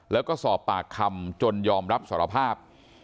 แล้วก็สอบปากคำจนยอมรับสารภาพ